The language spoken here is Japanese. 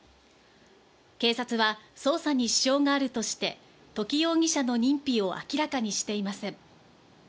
警察は捜査に支障があるとして、土岐容疑者の認否を明らかにしていません。